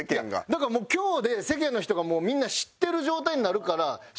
だからもう今日で世間の人がもうみんな知ってる状態になるから。